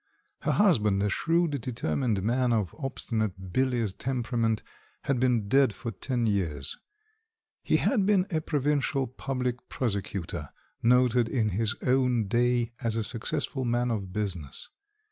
Her husband, a shrewd determined man of obstinate bilious temperament, had been dead for ten years. He had been a provincial public prosecutor, noted in his own day as a successful man of business.